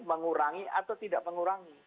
mengurangi atau tidak mengurangi